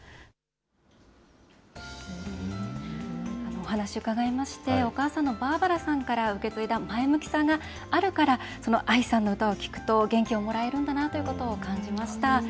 お話伺いまして、お母さんのバーバラさんから受け継いだ前向きさがあるから、ＡＩさんの歌を聴くと、元気をもらえるんだなということを感じました。